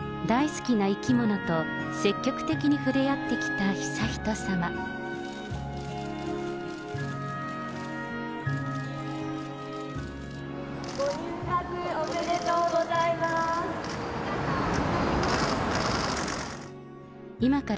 大好きな生き物と積極的に触れ合ってきた悠仁さま。